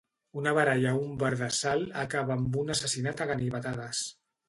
Una baralla a un bar de Salt acaba amb un assassinat a ganivetades.